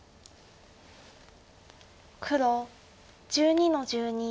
黒１２の十二。